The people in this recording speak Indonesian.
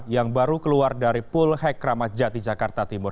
yang baru keluar dari pul hek ramadjati jakarta timur